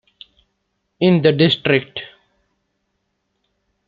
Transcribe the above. In the district.